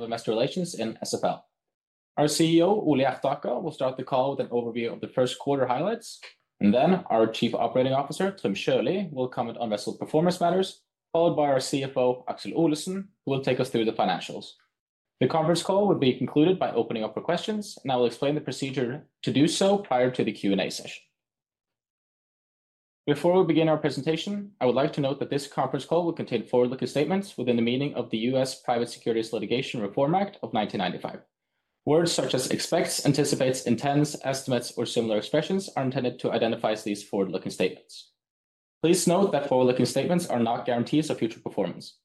Of investor relations in SFL. Our CEO, Ole Hjertaker, will start the call with an overview of the first quarter highlights, and then our Chief Operating Officer, Trym Sjølie, will comment on vessel performance matters, followed by our CFO, Aksel Olesen, who will take us through the financials. The conference call will be concluded by opening up for questions, and I will explain the procedure to do so prior to the Q&A session. Before we begin our presentation, I would like to note that this conference call will contain forward-looking statements within the meaning of the U.S. Private Securities Litigation Reform Act of 1995. Words such as expects, anticipates, intends, estimates, or similar expressions are intended to identify these forward-looking statements. Please note that forward-looking statements are not guarantees of future performance.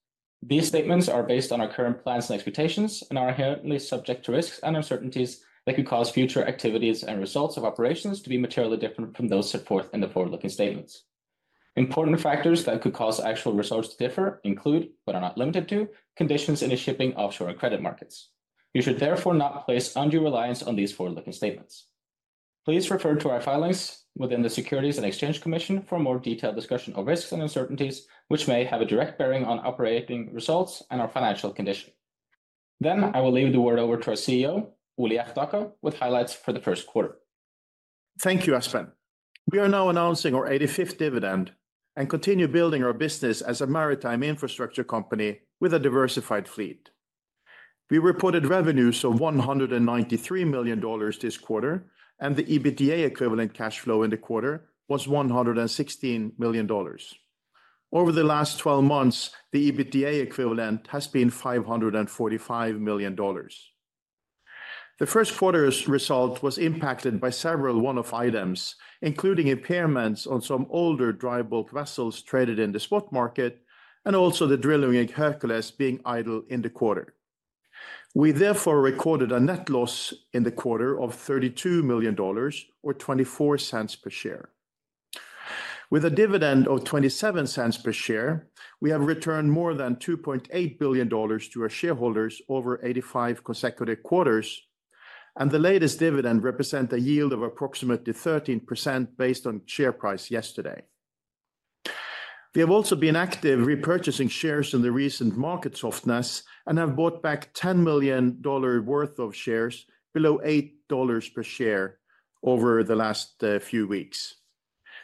These statements are based on our current plans and expectations and are inherently subject to risks and uncertainties that could cause future activities and results of operations to be materially different from those set forth in the forward-looking statements. Important factors that could cause actual results to differ include, but are not limited to, conditions in the shipping, offshore, and credit markets. You should therefore not place undue reliance on these forward-looking statements. Please refer to our filings within the Securities and Exchange Commission for a more detailed discussion of risks and uncertainties, which may have a direct bearing on operating results and our financial condition. I will leave the word over to our CEO, Ole Hjertaker, with highlights for the first quarter. Thank you, Espen. We are now announcing our 85th dividend and continue building our business as a maritime infrastructure company with a diversified fleet. We reported revenues of $193 million this quarter, and the EBITDA equivalent cash flow in the quarter was $116 million. Over the last 12 months, the EBITDA equivalent has been $545 million. The first quarter's result was impacted by several one-off items, including impairments on some older dry bulk vessels traded in the spot market and also the drilling at Hercules being idle in the quarter. We therefore recorded a net loss in the quarter of $32 million or $0.24 per share. With a dividend of $0.27 per share, we have returned more than $2.8 billion to our shareholders over 85 consecutive quarters, and the latest dividend represents a yield of approximately 13% based on share price yesterday. We have also been active repurchasing shares in the recent market softness and have bought back $10 million worth of shares below $8 per share over the last few weeks.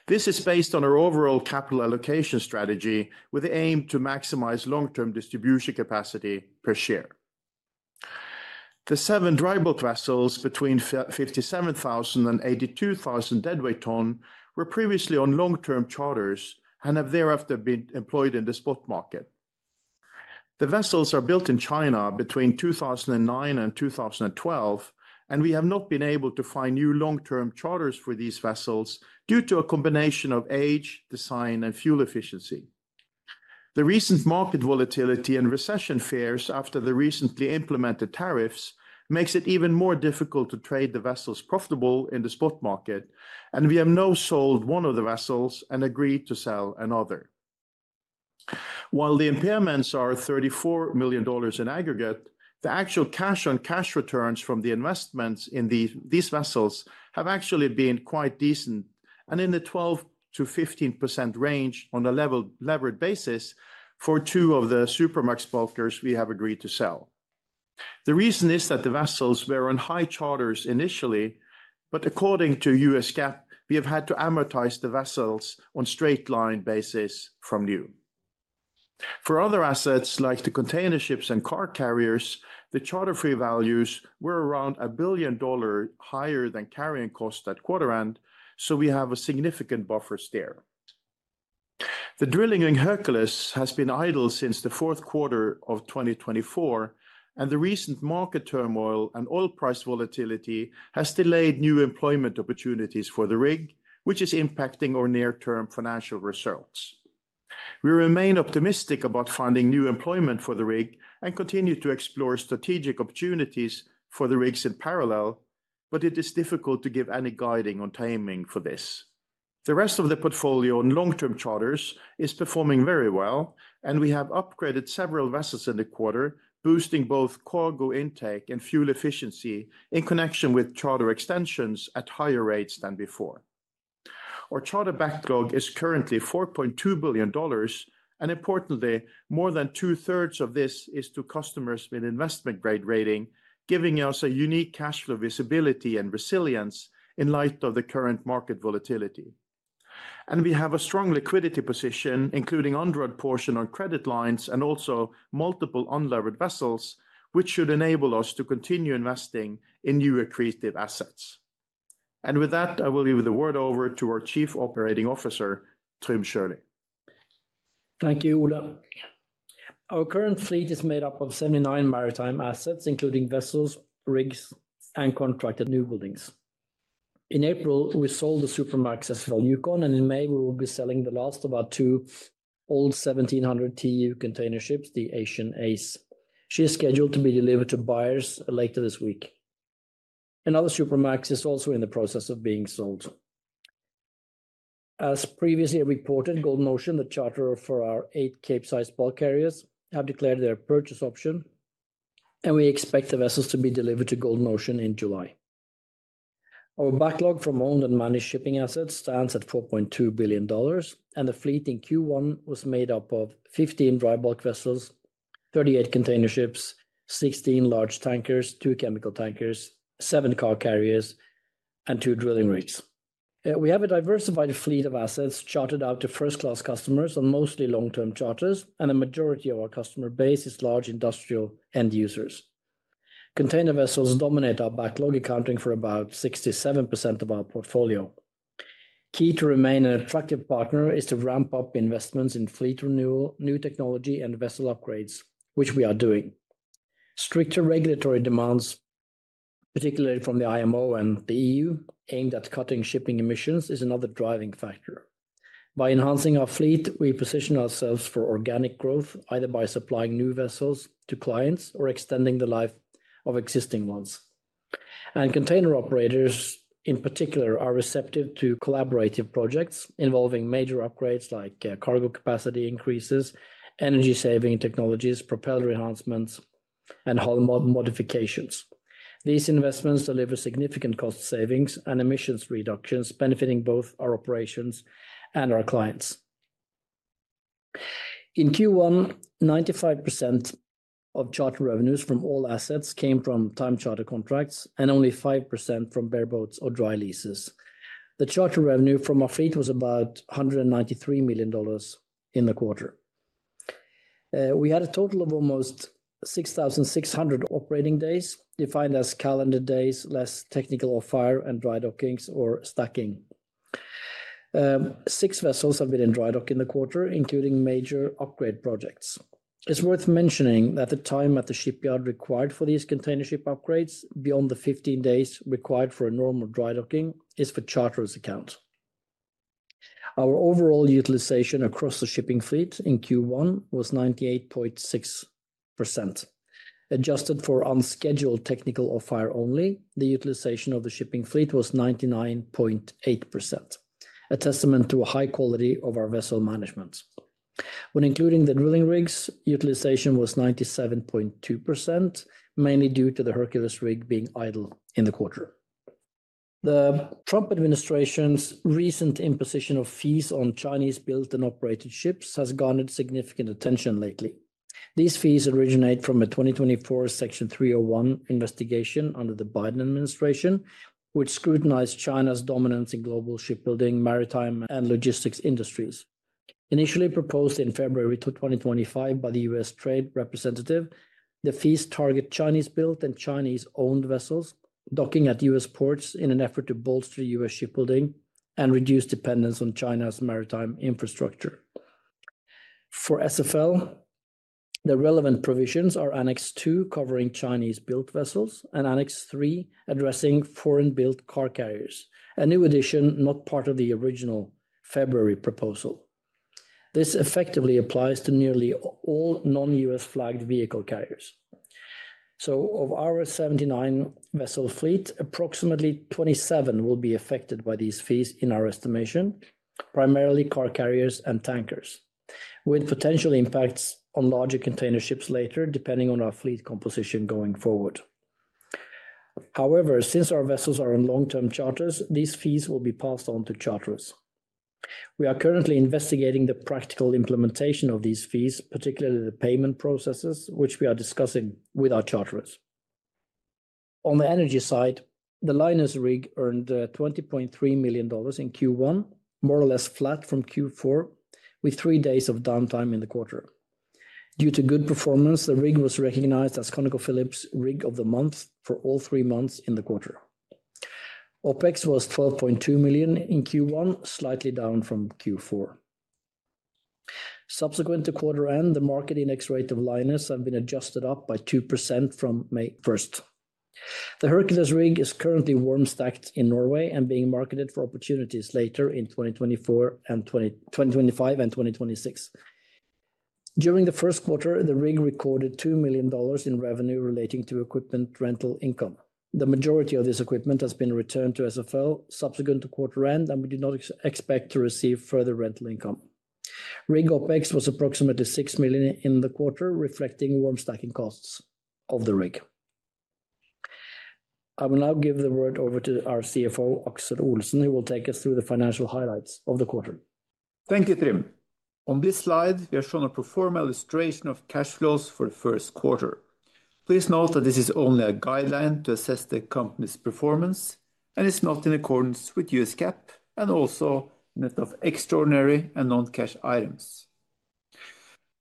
This is based on our overall capital allocation strategy with the aim to maximize long-term distribution capacity per share. The seven dry bulk vessels between 57,000 and 82,000 deadweight tons were previously on long-term charters and have thereafter been employed in the spot market. The vessels are built in China between 2009 and 2012, and we have not been able to find new long-term charters for these vessels due to a combination of age, design, and fuel efficiency. The recent market volatility and recession fears after the recently implemented tariffs make it even more difficult to trade the vessels profitable in the spot market, and we have now sold one of the vessels and agreed to sell another. While the impairments are $34 million in aggregate, the actual cash-on-cash returns from the investments in these vessels have actually been quite decent and in the 12%-15% range on a levered basis for two of the Supramax bulkers we have agreed to sell. The reason is that the vessels were on high charters initially, but according to U.S. GAAP, we have had to amortize the vessels on a straight-line basis from new. For other assets like the container ships and car carriers, the charter fee values were around $1 billion higher than carrying costs at quarter end, so we have a significant buffer there. The drilling rig Hercules has been idle since the fourth quarter of 2024, and the recent market turmoil and oil price volatility have delayed new employment opportunities for the rig, which is impacting our near-term financial results. We remain optimistic about finding new employment for the rig and continue to explore strategic opportunities for the rigs in parallel, but it is difficult to give any guiding on timing for this. The rest of the portfolio on long-term charters is performing very well, and we have upgraded several vessels in the quarter, boosting both cargo intake and fuel efficiency in connection with charter extensions at higher rates than before. Our charter backlog is currently $4.2 billion, and importantly, more than 2/3 of this is to customers with investment-grade rating, giving us a unique cash flow visibility and resilience in light of the current market volatility. We have a strong liquidity position, including an underwritten portion on credit lines and also multiple unlevered vessels, which should enable us to continue investing in new accretive assets. With that, I will leave the word over to our Chief Operating Officer, Trym Sjølie. Thank you, Ole. Our current fleet is made up of 79 maritime assets, including vessels, rigs, and contracted newbuildings. In April, we sold the Supramax SFL Yukon, and in May, we will be selling the last of our two old 1,700 TEU container ships, the Asian Ace. She is scheduled to be delivered to buyers later this week. Another Supramax is also in the process of being sold. As previously reported, Golden Ocean, the charterer for our eight capesize bulk carriers, has declared their purchase option, and we expect the vessels to be delivered to Golden Ocean in July. Our backlog from owned and managed shipping assets stands at $4.2 billion, and the fleet in Q1 was made up of 15 dry bulk vessels, 38 container ships, 16 large tankers, two chemical tankers, seven car carriers, and two drilling rigs. We have a diversified fleet of assets chartered out to first-class customers on mostly long-term charters, and the majority of our customer base is large industrial end users. Container vessels dominate our backlog, accounting for about 67% of our portfolio. Key to remain an attractive partner is to ramp up investments in fleet renewal, new technology, and vessel upgrades, which we are doing. Stricter regulatory demands, particularly from the IMO and the EU, aimed at cutting shipping emissions, is another driving factor. By enhancing our fleet, we position ourselves for organic growth, either by supplying new vessels to clients or extending the life of existing ones. Container operators, in particular, are receptive to collaborative projects involving major upgrades like cargo capacity increases, energy-saving technologies, propeller enhancements, and hull modifications. These investments deliver significant cost savings and emissions reductions, benefiting both our operations and our clients. In Q1, 95% of charter revenues from all assets came from time-chartered contracts and only 5% from bareboats or dry leases. The charter revenue from our fleet was about $193 million in the quarter. We had a total of almost 6,600 operating days, defined as calendar days, less technical or fire and dry dockings or stacking. Six vessels have been in dry docking in the quarter, including major upgrade projects. It's worth mentioning that the time at the shipyard required for these container ship upgrades, beyond the 15 days required for a normal dry docking, is for charterers' account. Our overall utilization across the shipping fleet in Q1 was 98.6%. Adjusted for unscheduled technical or fire only, the utilization of the shipping fleet was 99.8%, a testament to a high quality of our vessel management. When including the drilling rigs, utilization was 97.2%, mainly due to the Hercules rig being idle in the quarter. The Trump administration's recent imposition of fees on Chinese-built and operated ships has garnered significant attention lately. These fees originate from a 2024 Section 301 investigation under the Biden administration, which scrutinized China's dominance in global shipbuilding, maritime, and logistics industries. Initially proposed in February 2025 by the U.S. Trade Representative, the fees target Chinese-built and Chinese-owned vessels docking at U.S. ports in an effort to bolster U.S. shipbuilding and reduce dependence on China's maritime infrastructure. For SFL, the relevant provisions are Annex 2, covering Chinese-built vessels, and Annex 3, addressing foreign-built car carriers, a new addition not part of the original February proposal. This effectively applies to nearly all non-U.S. flagged vehicle carriers. Of our 79 vessel fleet, approximately 27 will be affected by these fees, in our estimation, primarily car carriers and tankers, with potential impacts on larger container ships later, depending on our fleet composition going forward. However, since our vessels are on long-term charters, these fees will be passed on to charterers. We are currently investigating the practical implementation of these fees, particularly the payment processes, which we are discussing with our charterers. On the energy side, the Linus rig earned $20.3 million in Q1, more or less flat from Q4, with three days of downtime in the quarter. Due to good performance, the rig was recognized as ConocoPhillips' rig of the month for all three months in the quarter. OpEx was $12.2 million in Q1, slightly down from Q4. Subsequent to quarter end, the market index rate of Linus has been adjusted up by 2% from May 1st. The Hercules rig is currently warm-stacked in Norway and being marketed for opportunities later in 2025 and 2026. During the first quarter, the rig recorded $2 million in revenue relating to equipment rental income. The majority of this equipment has been returned to SFL subsequent to quarter end, and we do not expect to receive further rental income. Rig OpEx was approximately $6 million in the quarter, reflecting warm-stacking costs of the rig. I will now give the word over to our CFO, Aksel Olesen, who will take us through the financial highlights of the quarter. Thank you, Trym. On this slide, we are shown a perform illustration of cash flows for the first quarter. Please note that this is only a guideline to assess the company's performance and is not in accordance with U.S. GAAP and also a net of extraordinary and non-cash items.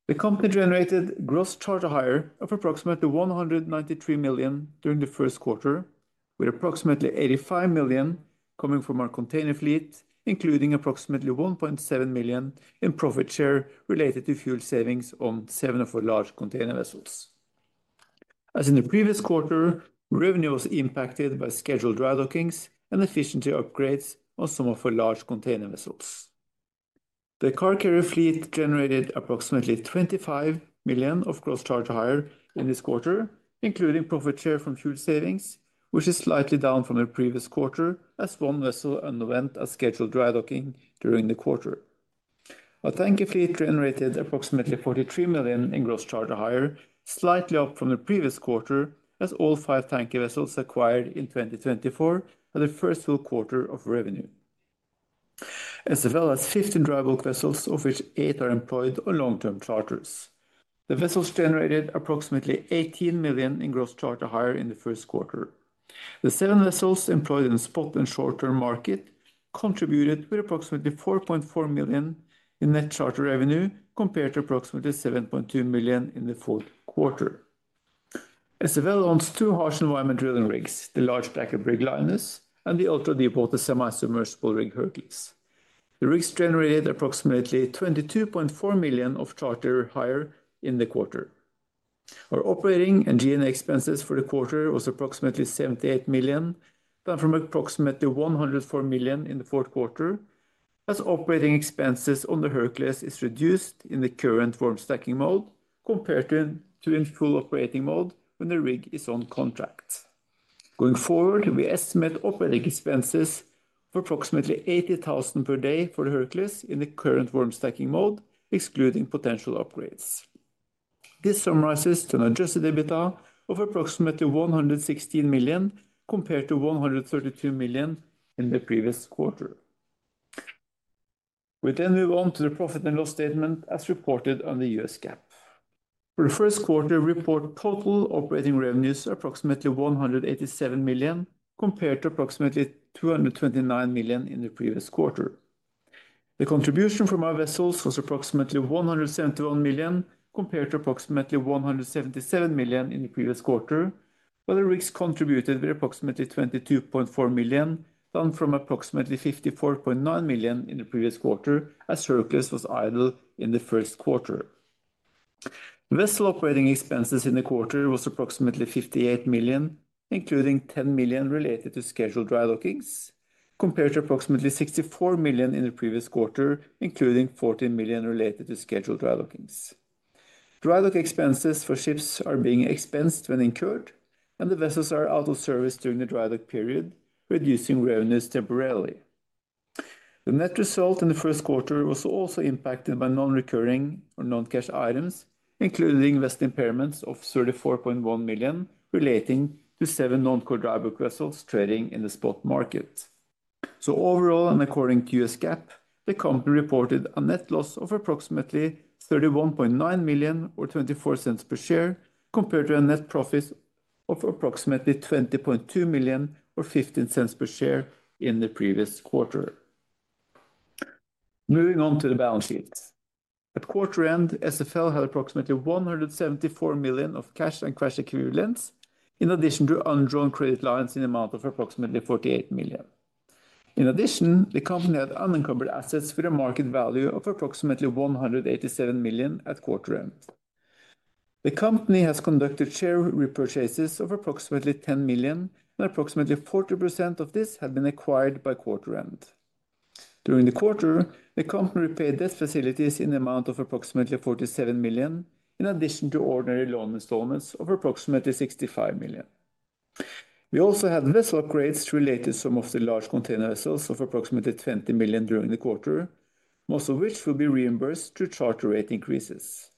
The company generated gross charter hire of approximately $193 million during the first quarter, with approximately $85 million coming from our container fleet, including approximately $1.7 million in profit share related to fuel savings on seven of our large container vessels. As in the previous quarter, revenue was impacted by scheduled dry dockings and efficiency upgrades on some of our large container vessels. The car carrier fleet generated approximately $25 million of gross charter hire in this quarter, including profit share from fuel savings, which is slightly down from the previous quarter, as one vessel underwent a scheduled dry docking during the quarter. Our tanker fleet generated approximately $43 million in gross charter hire, slightly up from the previous quarter, as all five tanker vessels acquired in 2024 had their first full quarter of revenue. As well as 15 dry bulk vessels, of which eight are employed on long-term charters. The vessels generated approximately $18 million in gross charter hire in the first quarter. The seven vessels employed in the spot and short-term market contributed with approximately $4.4 million in net charter revenue, compared to approximately $7.2 million in the fourth quarter. SFL owns two harsh environment drilling rigs, the large stacked rig Linus and the ultra-deepwater semi-submersible rig Hercules. The rigs generated approximately $22.4 million of charter hire in the quarter. Our operating and G&A expenses for the quarter was approximately $78 million, down from approximately $104 million in the fourth quarter, as operating expenses on the Hercules is reduced in the current warm-stacking mode compared to in full operating mode when the rig is on contract. Going forward, we estimate operating expenses of approximately $80,000 per day for the Hercules in the current warm-stacking mode, excluding potential upgrades. This summarizes to an adjusted EBITDA of approximately $116 million compared to $132 million in the previous quarter. We then move on to the profit and loss statement as reported on the U.S. GAAP. For the first quarter, report total operating revenues are approximately $187 million compared to approximately $229 million in the previous quarter. The contribution from our vessels was approximately $171 million compared to approximately $177 million in the previous quarter, while the rigs contributed with approximately $22.4 million, down from approximately $54.9 million in the previous quarter, as Hercules was idle in the first quarter. Vessel operating expenses in the quarter was approximately $58 million, including $10 million related to scheduled dry dockings, compared to approximately $64 million in the previous quarter, including $14 million related to scheduled dry dockings. Dry dock expenses for ships are being expensed when incurred, and the vessels are out of service during the dry dock period, reducing revenues temporarily. The net result in the first quarter was also impacted by non-recurring or non-cash items, including vessel impairments of $34.1 million relating to seven non-core dry bulk vessels trading in the spot market. Overall, and according to U.S. GAAP, the company reported a net loss of approximately $31.9 million or $0.24 per share, compared to a net profit of approximately $20.2 million or $0.15 per share in the previous quarter. Moving on to the balance sheet. At quarter end, SFL had approximately $174 million of cash and cash equivalents, in addition to undrawn credit lines in the amount of approximately $48 million. In addition, the company had unencumbered assets with a market value of approximately $187 million at quarter end. The company has conducted share repurchases of approximately $10 million, and approximately 40% of this had been acquired by quarter end. During the quarter, the company repaid debt facilities in the amount of approximately $47 million, in addition to ordinary loan installments of approximately $65 million. We also had vessel upgrades related to some of the large container vessels of approximately $20 million during the quarter, most of which will be reimbursed through charter rate increases.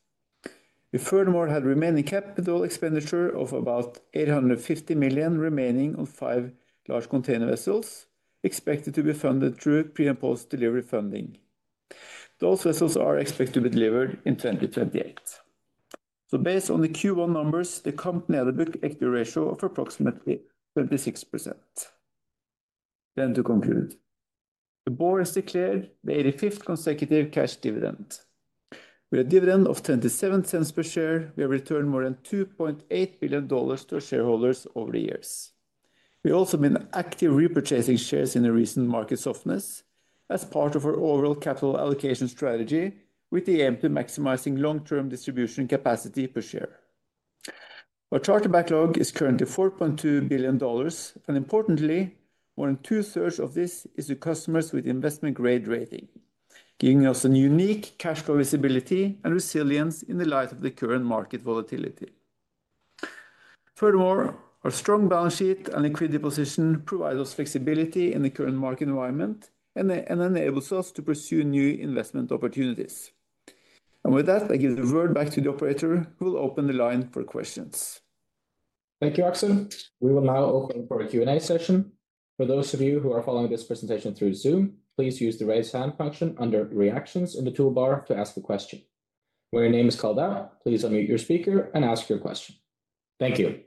We furthermore had remaining capital expenditure of about $850 million remaining on five large container vessels expected to be funded through pre-imposed delivery funding. Those vessels are expected to be delivered in 2028. Based on the Q1 numbers, the company had a book-to-equity ratio of approximately 26%. To conclude, the board has declared the 85th consecutive cash dividend. With a dividend of $0.27 per share, we have returned more than $2.8 billion to our shareholders over the years. We also have been active repurchasing shares in the recent market softness as part of our overall capital allocation strategy, with the aim to maximize long-term distribution capacity per share. Our charter backlog is currently $4.2 billion, and importantly, more than 2/3 of this is to customers with investment-grade rating, giving us a unique cash flow visibility and resilience in the light of the current market volatility. Furthermore, our strong balance sheet and liquidity position provide us flexibility in the current market environment and enable us to pursue new investment opportunities. With that, I give the word back to the operator who will open the line for questions. Thank you, Aksel. We will now open for a Q&A session. For those of you who are following this presentation through Zoom, please use the raise hand function under Reactions in the toolbar to ask a question. When your name is called out, please unmute your speaker and ask your question. Thank you.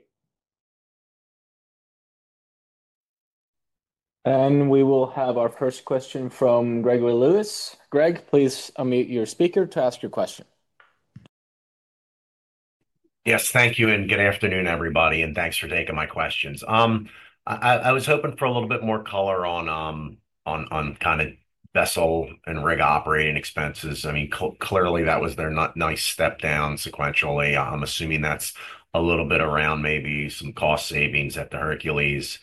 We will have our first question from Gregory Lewis. Greg, please unmute your speaker to ask your question. Yes, thank you and good afternoon, everybody, and thanks for taking my questions. I was hoping for a little bit more color on kind of vessel and rig operating expenses. I mean, clearly that was a nice step down sequentially. I'm assuming that's a little bit around maybe some cost savings at the Hercules.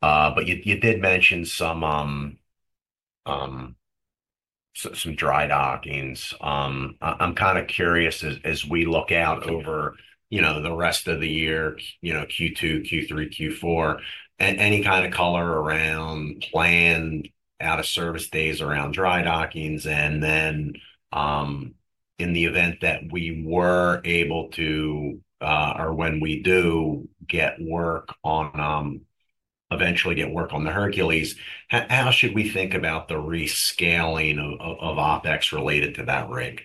You did mention some dry dockings. I'm kind of curious as we look out over the rest of the year, Q2, Q3, Q4, and any kind of color around planned out-of-service days around dry dockings. In the event that we were able to, or when we do get work on, eventually get work on the Hercules, how should we think about the rescaling of OpEx related to that rig?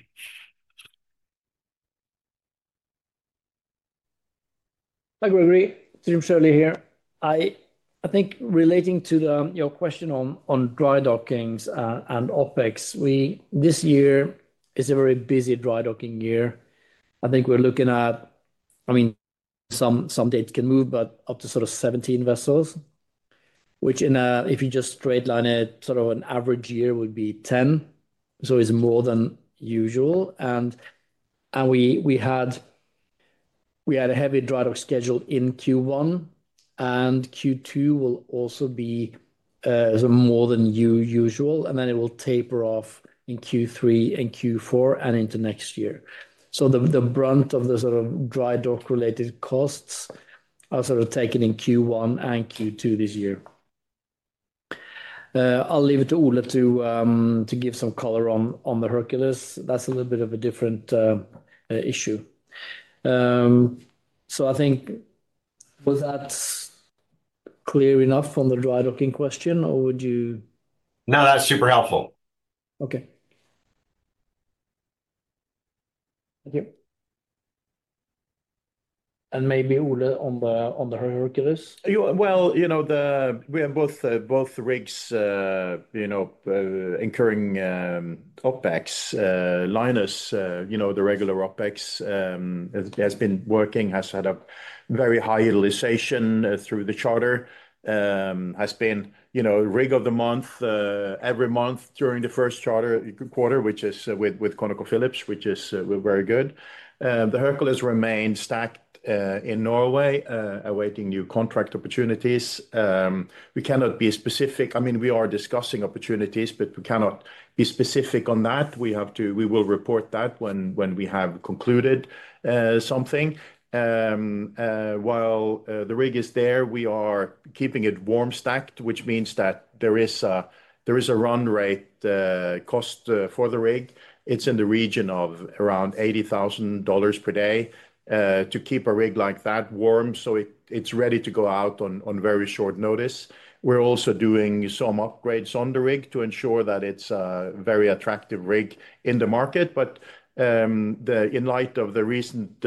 Trym Sjølie here. I think relating to your question on dry dockings and OpEx, this year is a very busy dry docking year. I think we're looking at, I mean, some dates can move, but up to sort of 17 vessels, which if you just straight line it, sort of an average year would be 10. It is more than usual. We had a heavy dry dock schedule in Q1, and Q2 will also be more than usual, and then it will taper off in Q3 and Q4 and into next year. The brunt of the sort of dry dock-related costs are sort of taken in Q1 and Q2 this year. I'll leave it to Ole to give some color on the Hercules. That's a little bit of a different issue. I think, was that clear enough on the dry docking question, or would you? No, that's super helpful. Okay. Thank you. Maybe Ole on the Hercules. You know, we have both rigs incurring OpEx. Linus, the regular OpEx, has been working, has had a very high utilization through the charter, has been rig of the month, every month during the first charter quarter, which is with ConocoPhillips, which is very good. The Hercules remains stacked in Norway, awaiting new contract opportunities. I mean, we are discussing opportunities, but we cannot be specific on that. We will report that when we have concluded something. While the rig is there, we are keeping it warm-stacked, which means that there is a run rate cost for the rig. It is in the region of around $80,000 per day to keep a rig like that warm, so it is ready to go out on very short notice. We are also doing some upgrades on the rig to ensure that it is a very attractive rig in the market. In light of the recent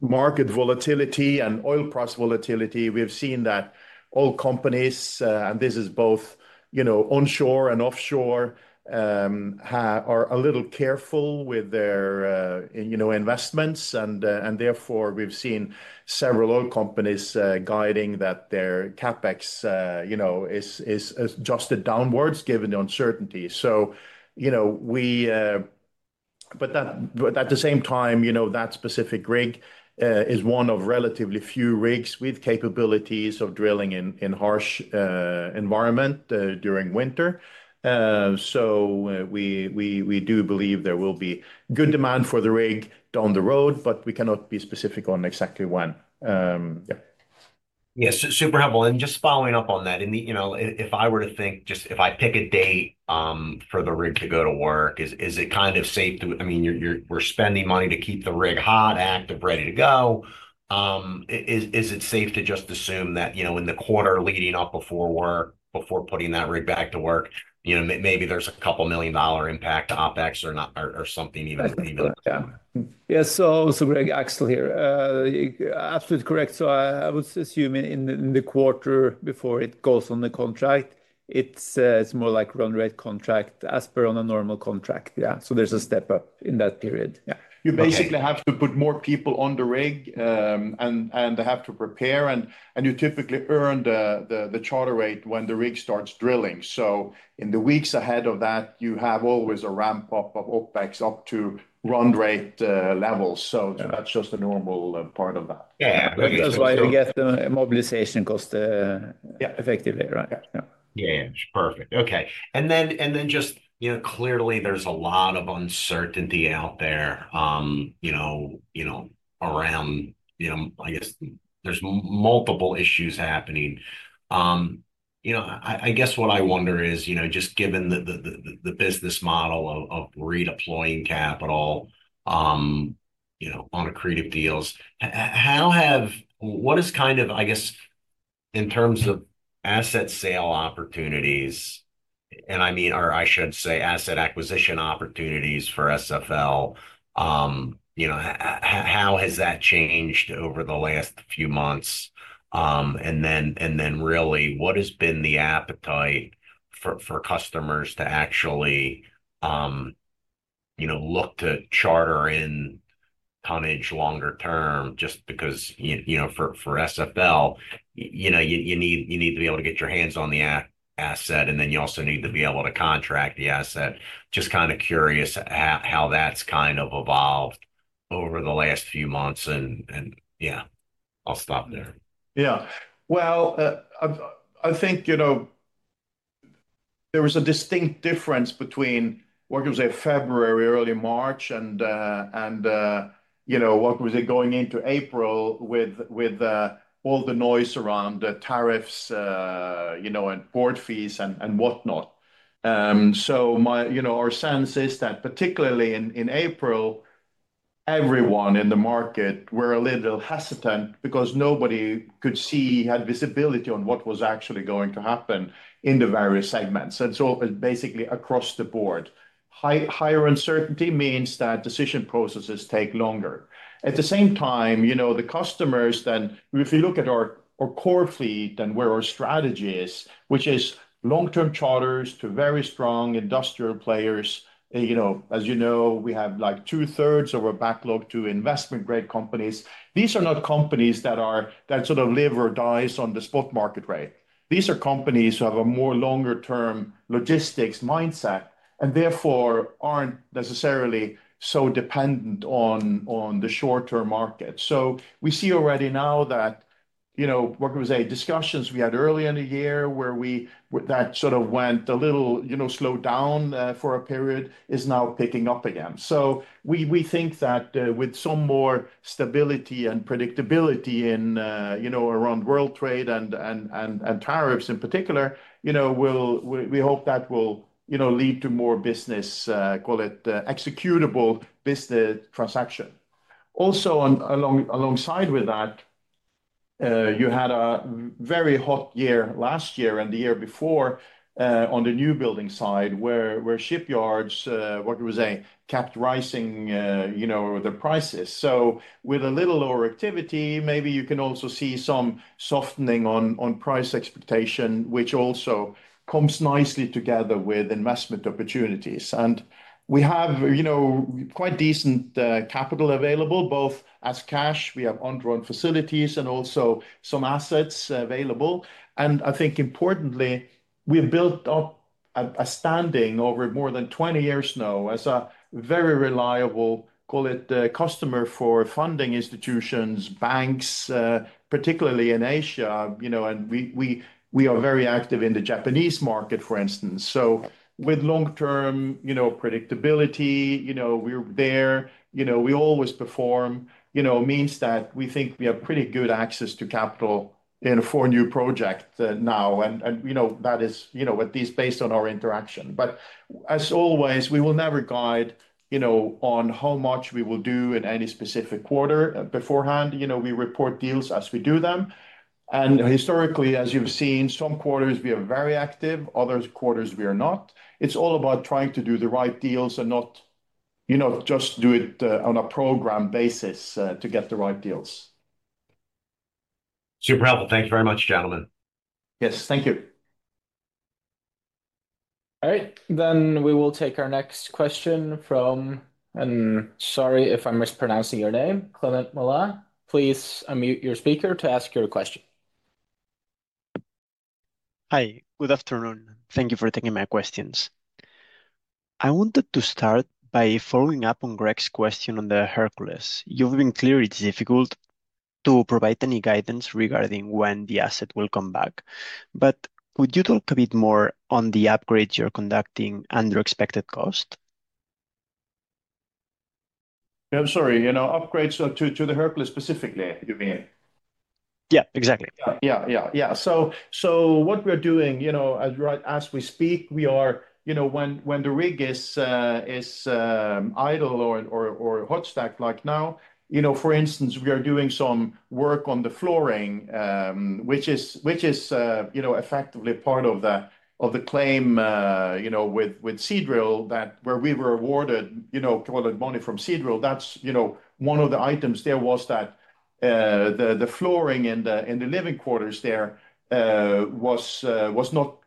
market volatility and oil price volatility, we've seen that all companies, and this is both onshore and offshore, are a little careful with their investments. Therefore, we've seen several oil companies guiding that their CapEx is adjusted downwards given the uncertainty. At the same time, that specific rig is one of relatively few rigs with capabilities of drilling in harsh environment during winter. We do believe there will be good demand for the rig down the road, but we cannot be specific on exactly when. Yeah. Yes, super helpful. Just following up on that, if I were to think, just if I pick a date for the rig to go to work, is it kind of safe to, I mean, we're spending money to keep the rig hot, active, ready to go. Is it safe to just assume that in the quarter leading up before putting that rig back to work, maybe there's a couple million dollar impact to OpEx or something even? Yes, so Greg, Aksel here. Absolutely correct. I would assume in the quarter before it goes on the contract, it is more like run rate contract as per on a normal contract. There is a step up in that period. Yeah. You basically have to put more people on the rig and have to prepare. You typically earn the charter rate when the rig starts drilling. In the weeks ahead of that, you have always a ramp up of OpEx up to run rate levels. That's just a normal part of that. Yeah, that's why we get the mobilization cost effectively, right? Yeah, yeah, perfect. Okay. Clearly, there's a lot of uncertainty out there around, I guess, there's multiple issues happening. I guess what I wonder is, just given the business model of redeploying capital on accretive deals, what is kind of, I guess, in terms of asset sale opportunities, and I mean, or I should say asset acquisition opportunities for SFL, how has that changed over the last few months? Really, what has been the appetite for customers to actually look to charter in tonnage longer term just because for SFL, you need to be able to get your hands on the asset, and then you also need to be able to contract the asset. Just kind of curious how that's kind of evolved over the last few months. Yeah, I'll stop there. Yeah. I think there was a distinct difference between, what was it, February, early March, and what was it going into April with all the noise around the tariffs and port fees and whatnot. Our sense is that particularly in April, everyone in the market were a little hesitant because nobody could see, had visibility on what was actually going to happen in the various segments. It was basically across the board. Higher uncertainty means that decision processes take longer. At the same time, the customers then, if you look at our core fleet and where our strategy is, which is long-term charters to very strong industrial players, as you know, we have like 2/3 of our backlog to investment-grade companies. These are not companies that sort of live or die on the spot market rate. These are companies who have a more longer-term logistics mindset and therefore aren't necessarily so dependent on the short-term market. We see already now that, what was it, discussions we had earlier in the year where that sort of went a little slowed down for a period is now picking up again. We think that with some more stability and predictability around world trade and tariffs in particular, we hope that will lead to more business, call it executable business transaction. Also, alongside with that, you had a very hot year last year and the year before on the new building side where shipyards, what was it, kept rising their prices. With a little lower activity, maybe you can also see some softening on price expectation, which also comes nicely together with investment opportunities. We have quite decent capital available, both as cash, we have undrawn facilities, and also some assets available. I think importantly, we have built up a standing over more than 20 years now as a very reliable, call it, customer for funding institutions, banks, particularly in Asia. We are very active in the Japanese market, for instance. With long-term predictability, we are there, we always perform, which means that we think we have pretty good access to capital for new projects now. That is at least based on our interaction. As always, we will never guide on how much we will do in any specific quarter beforehand. We report deals as we do them. Historically, as you have seen, some quarters we are very active, other quarters we are not. It's all about trying to do the right deals and not just do it on a program basis to get the right deals. Super helpful. Thanks very much, gentlemen. Yes, thank you. All right, we will take our next question from, and sorry if I'm mispronouncing your name, Clement Milla. Please unmute your speaker to ask your question. Hi, good afternoon. Thank you for taking my questions. I wanted to start by following up on Greg's question on the Hercules. You've been clear it's difficult to provide any guidance regarding when the asset will come back. Could you talk a bit more on the upgrades you're conducting and your expected cost? I'm sorry, upgrades to the Hercules specifically, you mean? Yeah, exactly. Yeah, yeah, yeah. What we're doing, as we speak, when the rig is idle or hot-stacked like now, for instance, we are doing some work on the flooring, which is effectively part of the claim with Seadrill where we were awarded, call it, money from Seadrill. That's one of the items there, that the flooring in the living quarters there was not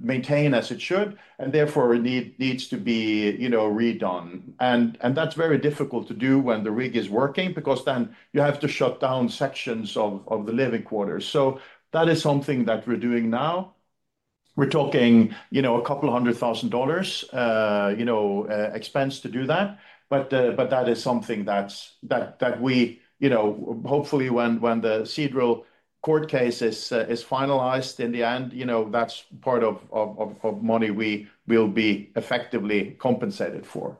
maintained as it should, and therefore needs to be redone. That is very difficult to do when the rig is working because then you have to shut down sections of the living quarters. That is something that we're doing now. We're talking a couple of hundred thousand dollars expense to do that. That is something that we hopefully, when the Seadrill court case is finalized in the end, that's part of money we will be effectively compensated for.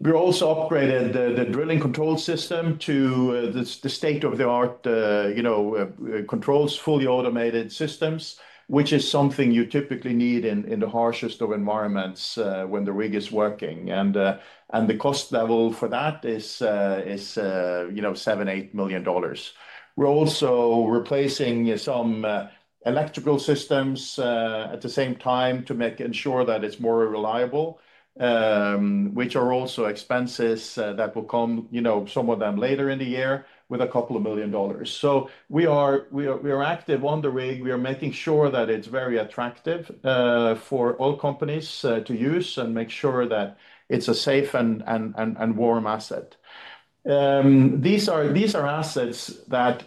We're also upgrading the drilling control system to the state-of-the-art controls, fully automated systems, which is something you typically need in the harshest of environments when the rig is working. The cost level for that is $7 million-$8 million. We're also replacing some electrical systems at the same time to make sure that it's more reliable, which are also expenses that will come, some of them later in the year, with a couple of million dollars. We are active on the rig. We are making sure that it's very attractive for all companies to use and make sure that it's a safe and warm asset. These are assets that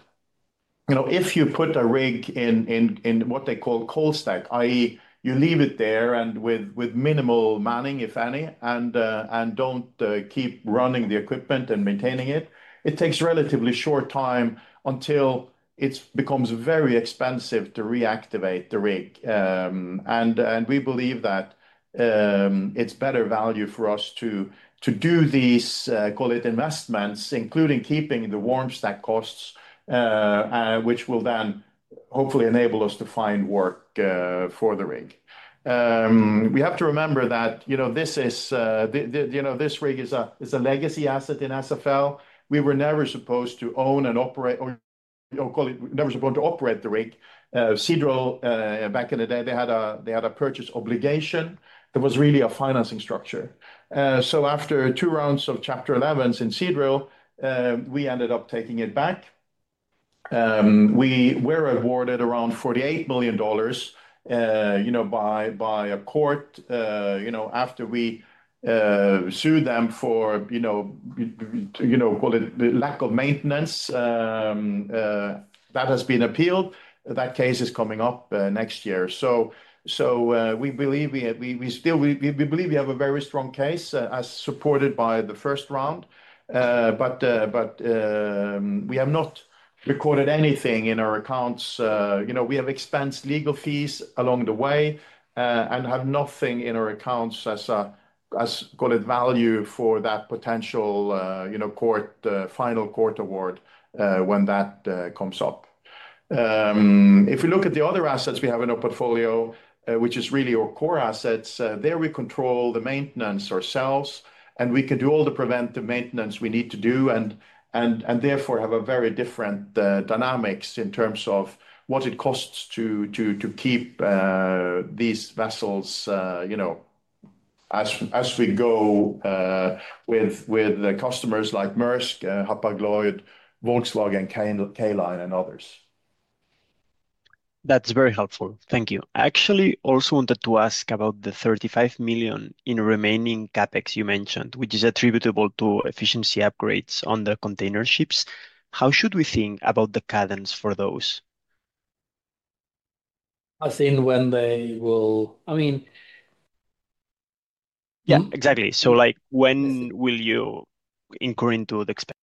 if you put a rig in what they call cold-stack, i.e., you leave it there and with minimal manning, if any, and do not keep running the equipment and maintaining it, it takes relatively short time until it becomes very expensive to reactivate the rig. We believe that it is better value for us to do these, call it, investments, including keeping the warm-stack costs, which will then hopefully enable us to find work for the rig. We have to remember that this rig is a legacy asset in SFL. We were never supposed to own and operate, or call it, never supposed to operate the rig. Seadrill, back in the day, they had a purchase obligation. There was really a financing structure. After two rounds of Chapter 11s in Seadrill, we ended up taking it back. We were awarded around $48 million by a court after we sued them for, call it, lack of maintenance. That has been appealed. That case is coming up next year. We believe we have a very strong case as supported by the first round. We have not recorded anything in our accounts. We have expensed legal fees along the way and have nothing in our accounts as, call it, value for that potential final court award when that comes up. If we look at the other assets we have in our portfolio, which is really our core assets, there we control the maintenance ourselves. We can do all the preventive maintenance we need to do and therefore have a very different dynamics in terms of what it costs to keep these vessels as we go with customers like Maersk, Hapag-Lloyd, Volkswagen, K-Line, and others. That's very helpful. Thank you. Actually, I also wanted to ask about the $35 million in remaining CapEx you mentioned, which is attributable to efficiency upgrades on the container ships. How should we think about the cadence for those? As in when they will, I mean. Yeah, exactly. When will you incur into the expense?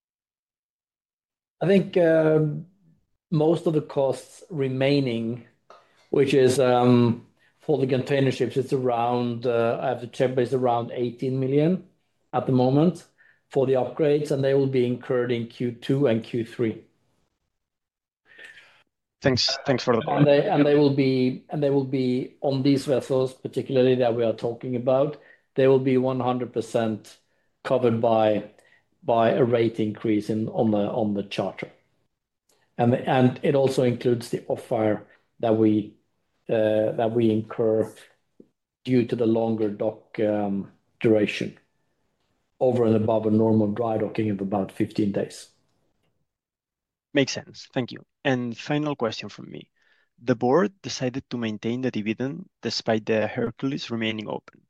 I think most of the costs remaining, which is for the container ships, it's around, I have to check, but it's around $18 million at the moment for the upgrades, and they will be incurred in Q2 and Q3. Thanks for the point. They will be on these vessels, particularly that we are talking about, they will be 100% covered by a rate increase on the charter. It also includes the off-hire that we incur due to the longer dock duration over and above a normal dry docking of about 15 days. Makes sense. Thank you. Final question from me. The board decided to maintain the dividend despite the Hercules remaining open.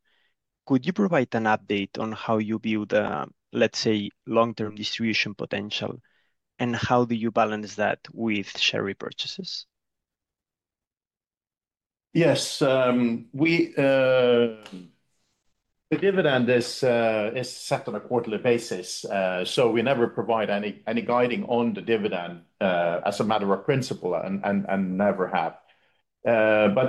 Could you provide an update on how you view the, let's say, long-term distribution potential, and how do you balance that with share repurchases? Yes. The dividend is set on a quarterly basis. We never provide any guiding on the dividend as a matter of principle and never have. The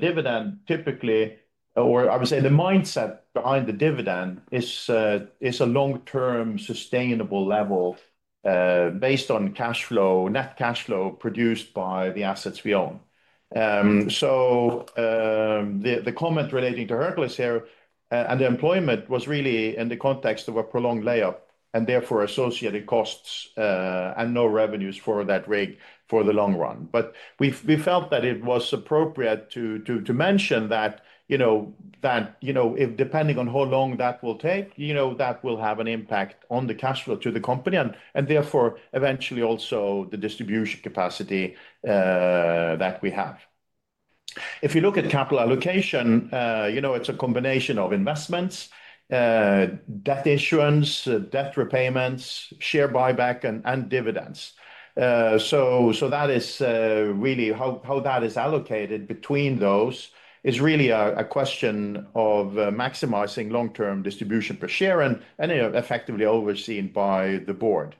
dividend typically, or I would say the mindset behind the dividend is a long-term sustainable level based on cash flow, net cash flow produced by the assets we own. The comment relating to Hercules here and the employment was really in the context of a prolonged layoff and therefore associated costs and no revenues for that rig for the long run. We felt that it was appropriate to mention that depending on how long that will take, that will have an impact on the cash flow to the company and therefore eventually also the distribution capacity that we have. If you look at capital allocation, it is a combination of investments, debt issuance, debt repayments, share buyback, and dividends. That is really how that is allocated between those is really a question of maximizing long-term distribution per share and effectively overseen by the board.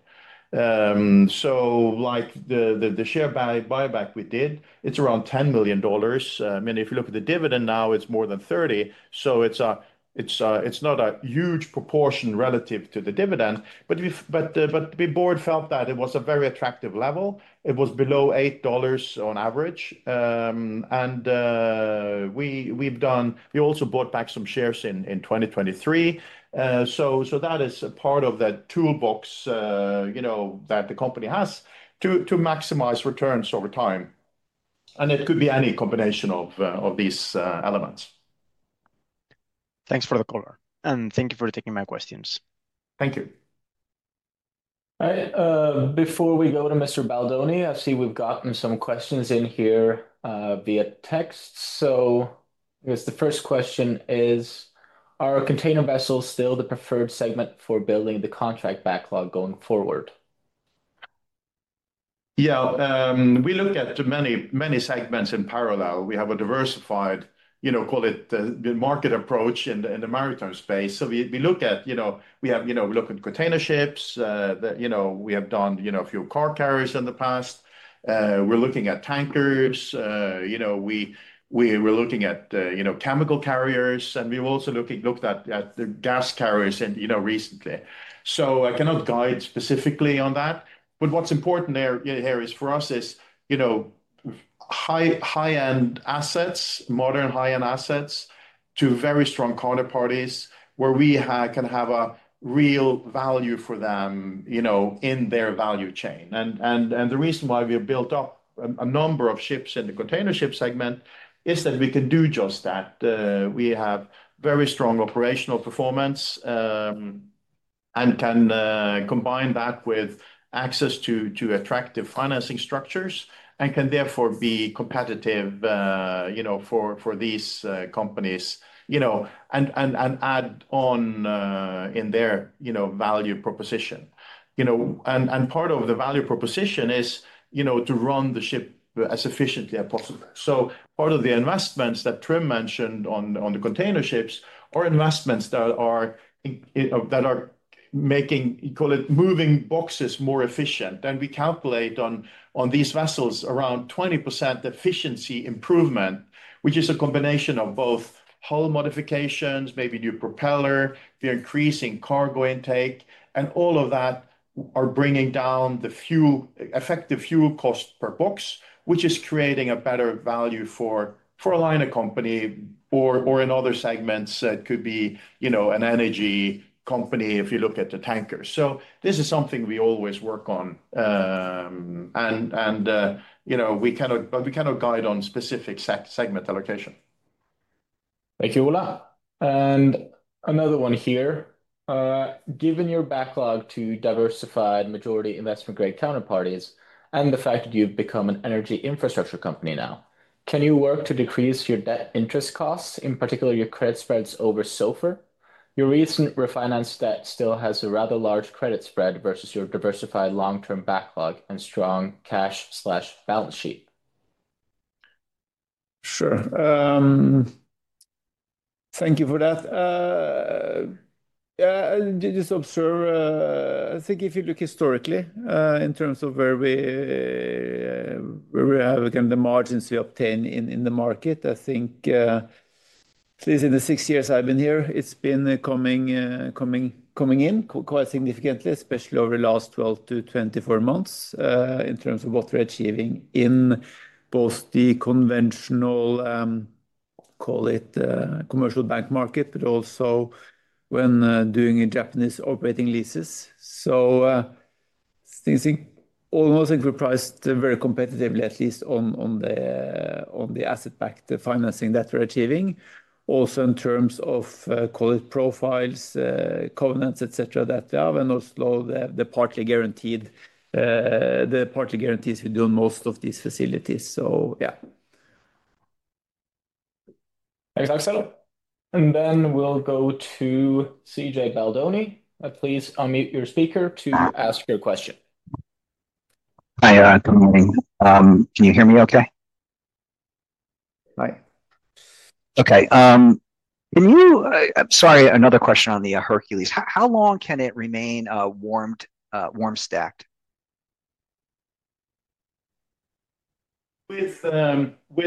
Like the share buyback we did, it's around $10 million. I mean, if you look at the dividend now, it's more than $30. It's not a huge proportion relative to the dividend. The board felt that it was a very attractive level. It was below $8 on average. We also bought back some shares in 2023. That is part of that toolbox that the company has to maximize returns over time. It could be any combination of these elements. Thanks for the call. And thank you for taking my questions. Thank you. All right. Before we go to Mr. Baldoni, I see we've gotten some questions in here via text. I guess the first question is, are container vessels still the preferred segment for building the contract backlog going forward? Yeah. We look at many segments in parallel. We have a diversified, call it, market approach in the maritime space. We look at, we have looked at container ships. We have done a few car carriers in the past. We're looking at tankers. We're looking at chemical carriers. We've also looked at the gas carriers recently. I cannot guide specifically on that. What is important here for us is high-end assets, modern high-end assets to very strong counterparties where we can have a real value for them in their value chain. The reason why we have built up a number of ships in the container ship segment is that we can do just that. We have very strong operational performance and can combine that with access to attractive financing structures and can therefore be competitive for these companies and add on in their value proposition. Part of the value proposition is to run the ship as efficiently as possible. Part of the investments that Trym mentioned on the container ships are investments that are making, call it, moving boxes more efficient. We calculate on these vessels around 20% efficiency improvement, which is a combination of both hull modifications, maybe new propeller, the increasing cargo intake, and all of that are bringing down the effective fuel cost per box, which is creating a better value for a liner company or in other segments that could be an energy company if you look at the tankers. This is something we always work on. We cannot guide on specific segment allocation. Thank you, Ole. Another one here. Given your backlog to diversified majority investment-grade counterparties and the fact that you've become an energy infrastructure company now, can you work to decrease your debt interest costs, in particular your credit spreads over SOFR? Your recent refinanced debt still has a rather large credit spread versus your diversified long-term backlog and strong cash/balance sheet. Sure. Thank you for that. Yeah, I think if you look historically in terms of where we have the margins we obtain in the market, I think at least in the six years I've been here, it's been coming in quite significantly, especially over the last 12 months-24 months in terms of what we're achieving in both the conventional, call it, commercial bank market, but also when doing Japanese operating leases. Things almost enterprised very competitively, at least on the asset-backed financing that we're achieving. Also in terms of, call it, profiles, covenants, etc., that we have and also the partly guaranteed we do on most of these facilities. Yeah. Thanks, Aksel. And then we'll go to CJ Baldoni. Please unmute your speaker to ask your question. Hi, good morning. Can you hear me okay? Hi. Okay. Sorry, another question on the Hercules. How long can it remain warm-stacked? With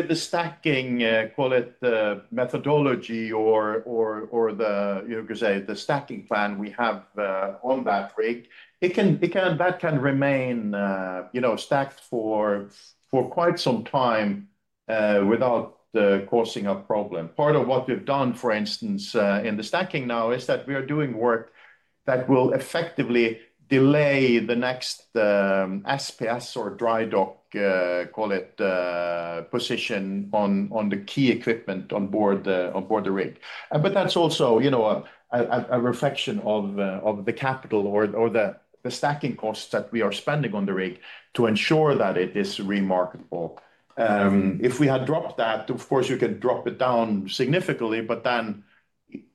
the stacking, call it, methodology or the stacking plan we have on that rig, that can remain stacked for quite some time without causing a problem. Part of what we've done, for instance, in the stacking now is that we are doing work that will effectively delay the next SPS or dry dock, call it, position on the key equipment on board the rig. That is also a reflection of the capital or the stacking costs that we are spending on the rig to ensure that it is remarkable. If we had dropped that, of course, you could drop it down significantly, but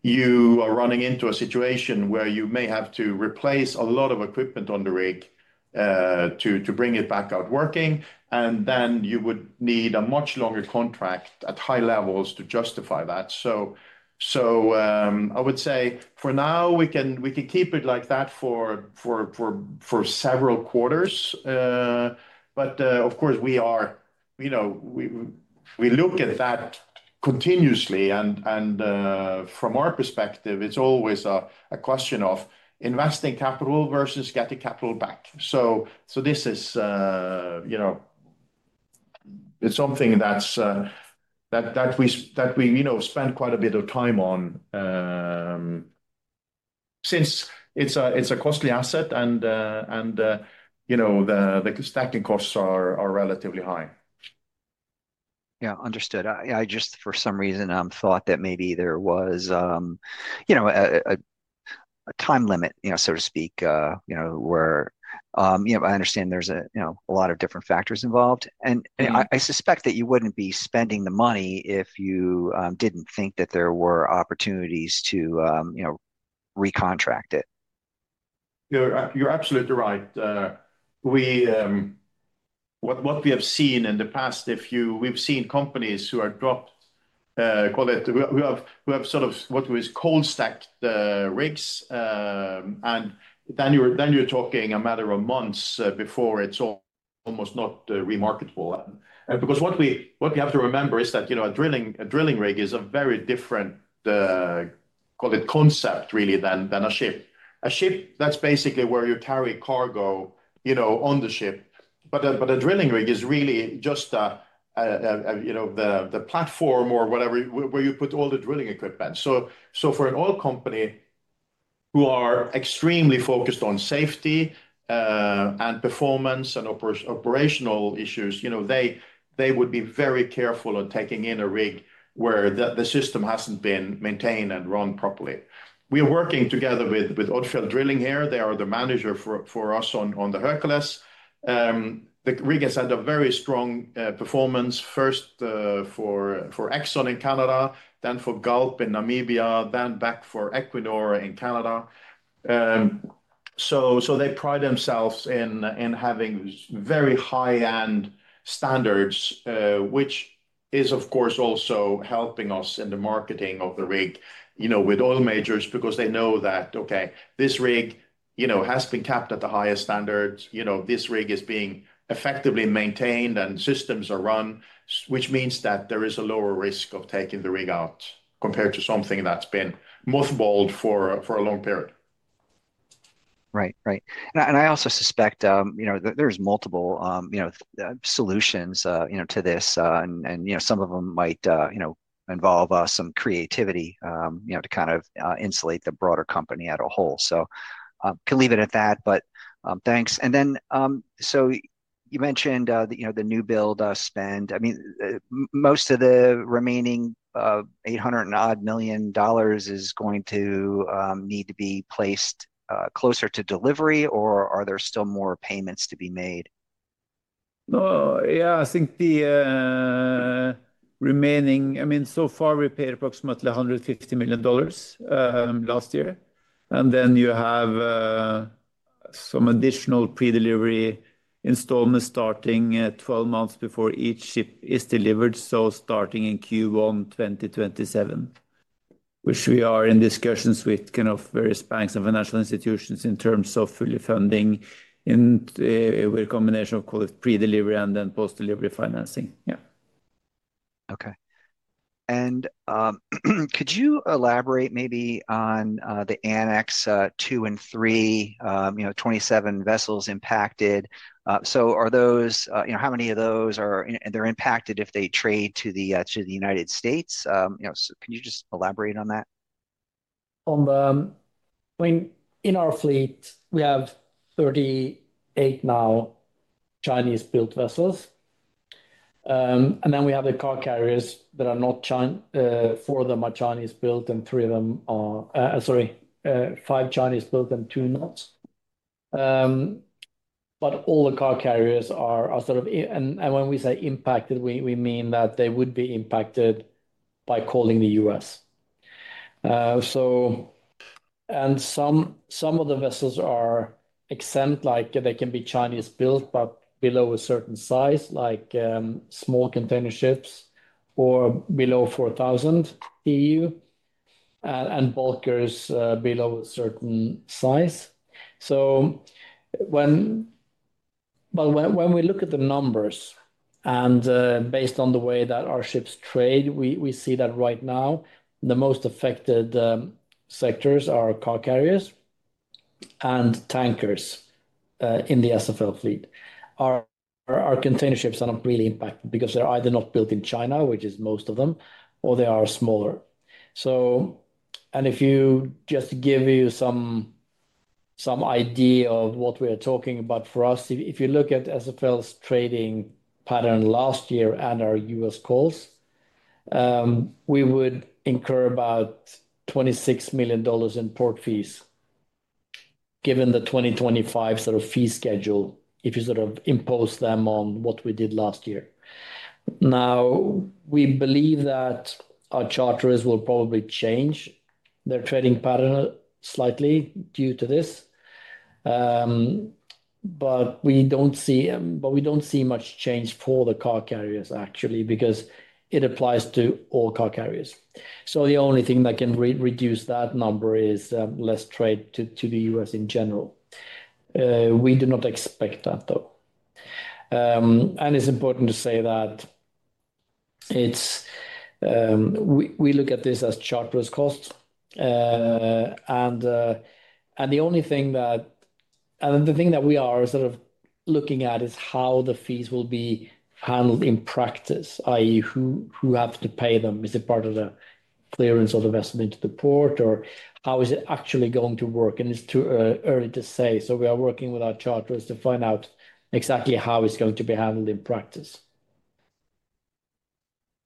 you are running into a situation where you may have to replace a lot of equipment on the rig to bring it back out working. You would need a much longer contract at high levels to justify that. I would say for now, we can keep it like that for several quarters. Of course, we look at that continuously. From our perspective, it's always a question of investing capital versus getting capital back. It's something that we spend quite a bit of time on since it's a costly asset and the stacking costs are relatively high. Yeah, understood. I just, for some reason, thought that maybe there was a time limit, so to speak, where I understand there's a lot of different factors involved. I suspect that you wouldn't be spending the money if you didn't think that there were opportunities to recontract it. You're absolutely right. What we have seen in the past, we've seen companies who have dropped, call it, who have sort of what we call cold-stacked rigs. Then you're talking a matter of months before it's almost not remarkable. Because what we have to remember is that a drilling rig is a very different, call it, concept really than a ship. A ship, that's basically where you carry cargo on the ship. A drilling rig is really just the platform or whatever where you put all the drilling equipment. For an oil company who are extremely focused on safety and performance and operational issues, they would be very careful of taking in a rig where the system hasn't been maintained and run properly. We are working together with Odfjell Drilling here. They are the manager for us on the Hercules. The rig has had a very strong performance, first for Exxon in Canada, then for Galp in Namibia, then back for Equinor in Canada. They pride themselves in having very high-end standards, which is, of course, also helping us in the marketing of the rig with oil majors because they know that, okay, this rig has been kept at the highest standards. This rig is being effectively maintained and systems are run, which means that there is a lower risk of taking the rig out compared to something that's been mothballed for a long period. Right, right. I also suspect there's multiple solutions to this. Some of them might involve some creativity to kind of insulate the broader company as a whole. I can leave it at that, but thanks. You mentioned the new build spend. I mean, most of the remaining $800 million-odd is going to need to be placed closer to delivery, or are there still more payments to be made? No. Yeah, I think the remaining, I mean, so far we paid approximately $150 million last year. Then you have some additional pre-delivery installments starting 12 months before each ship is delivered. Starting in Q1 2027, we are in discussions with various banks and financial institutions in terms of fully funding with a combination of, call it, pre-delivery and then post-delivery financing. Yeah. Okay. Could you elaborate maybe on the Annex 2 and 3, 27 vessels impacted? How many of those are impacted if they trade to the United States? Can you just elaborate on that? I mean, in our fleet, we have 38 now Chinese-built vessels. And then we have the car carriers that are not for them are Chinese-built and three of them are, sorry, five Chinese-built and two not. But all the car carriers are sort of, and when we say impacted, we mean that they would be impacted by calling the U.S. And some of the vessels are exempt, like they can be Chinese-built but below a certain size, like small container ships or below 4,000 TEU and bulkers below a certain size. But when we look at the numbers and based on the way that our ships trade, we see that right now the most affected sectors are car carriers and tankers in the SFL fleet. Our container ships are not really impacted because they're either not built in China, which is most of them, or they are smaller. If you just give you some idea of what we are talking about for us, if you look at SFL's trading pattern last year and our U.S. calls, we would incur about $26 million in port fees given the 2025 sort of fee schedule if you sort of impose them on what we did last year. We believe that our charters will probably change their trading pattern slightly due to this. We do not see much change for the car carriers, actually, because it applies to all car carriers. The only thing that can reduce that number is less trade to the U.S. in general. We do not expect that, though. It is important to say that we look at this as charter's costs. The only thing that, and the thing that we are sort of looking at is how the fees will be handled in practice, i.e., who has to pay them. Is it part of the clearance of the vessel into the port, or how is it actually going to work? It's too early to say. We are working with our charters to find out exactly how it's going to be handled in practice.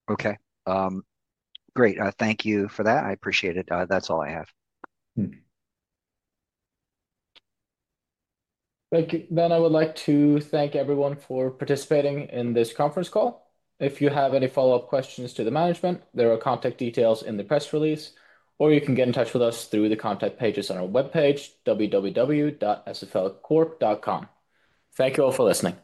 Okay. Great. Thank you for that. I appreciate it. That's all I have. Thank you. I would like to thank everyone for participating in this conference call. If you have any follow-up questions to the management, there are contact details in the press release, or you can get in touch with us through the contact pages on our web page, www.sflcorp.com. Thank you all for listening.